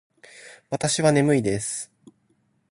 わたしはねむいです。